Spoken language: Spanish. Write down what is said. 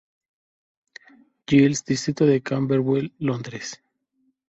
Giles, distrito de Camberwell, Londres.